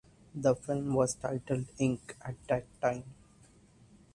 The film was titled Ink at that time.